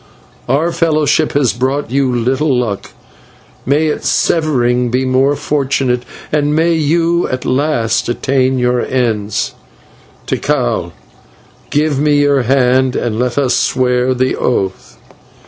Our fellowship has brought you little luck; may its severing be more fortunate, and may you at last attain your ends. Tikal, give me your hand, and let us swear the oath."